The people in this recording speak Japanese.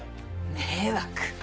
迷惑？